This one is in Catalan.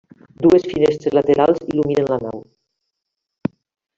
Dues finestres laterals il·luminen la nau.